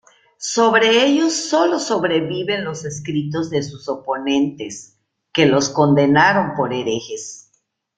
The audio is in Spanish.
Sobre ellos solo sobreviven los escritos de sus oponentes, que los condenaron por herejes.